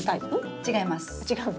違います。